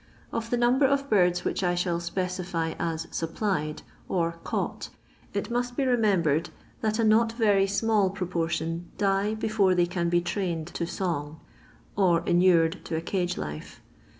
Of the number of birds which I shall specify as "supplied," or " caught," it must be remembered that a not very small proportion die before they can be trained to song, or inured to a cage life.